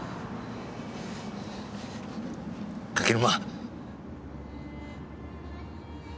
柿沼！